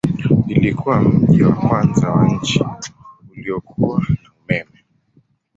Ilikuwa mji wa kwanza wa nchi uliokuwa na umeme.